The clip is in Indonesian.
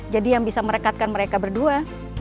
jadi yang bisa merekatkan mereka berdua